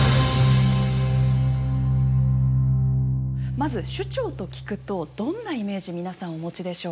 まず首長と聞くとどんなイメージ皆さんお持ちでしょうか。